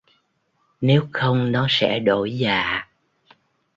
Nếu không nó sẽ đổi dạ